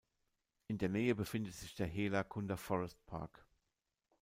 In der Nähe befindet sich der Hela Kunda Forest Park.